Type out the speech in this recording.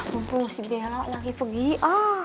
mumpung si bella lagi pergi ah